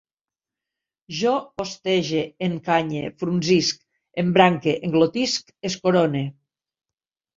Jo hostege, encanye, frunzisc, embranque, englotisc, escorone